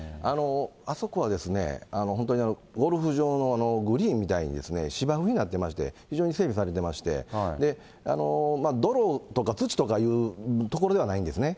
あそこは本当にゴルフ場のグリーンみたいに芝生になってまして、非常に整備されてまして、泥とか土とかいう所ではないんですね。